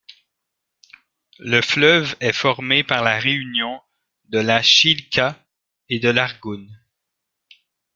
Le fleuve est formé par la réunion de la Chilka et de l'Argoun.